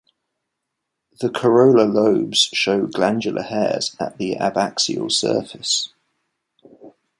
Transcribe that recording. The corolla lobes show glandular hairs at the abaxial surface.